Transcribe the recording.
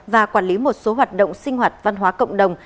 và quản lý một số hoạt động sinh hoạt văn hóa cộng đồng